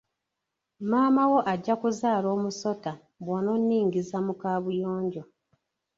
Maama wo ajja kuzaala omusota b'ononningiza mu kaabuyonjo.